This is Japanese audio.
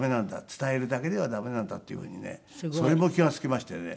伝えるだけでは駄目なんだっていうふうにねそれも気が付きましてね。